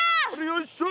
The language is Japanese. よいしょ！